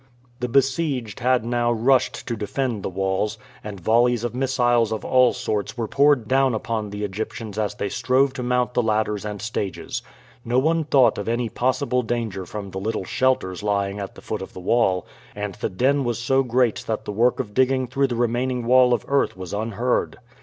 The besieged had now rushed to defend the walls, and volleys of missiles of all sorts were poured down upon the Egyptians as they strove to mount the ladders and stages. No one thought of any possible danger from the little shelters lying at the foot of the wall, and the din was so great that the work of digging through the remaining wall of earth was unheard.